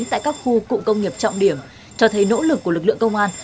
tại các khu cụ công nghiệp trọng điểm cho thấy nỗ lực của lực lượng công an